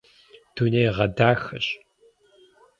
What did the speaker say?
Дунейгъэдахэщ.